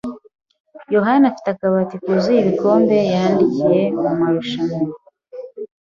yohani afite akabati kuzuye ibikombe yatsindiye mumarushanwa.